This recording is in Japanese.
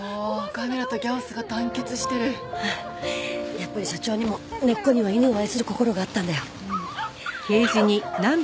やっぱり社長にも根っこには犬を愛する心があったんだよ。